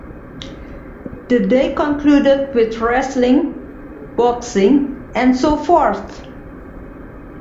The day concluded with wrestling, boxing, and so forth.